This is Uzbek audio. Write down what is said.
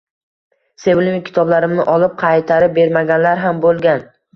Sevimli kitoblarimni olib, qaytarib bermaganlar ham bo`lgan